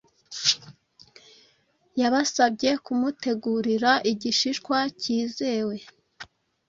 Yabasabye kumutegurira igishishwa cyizewe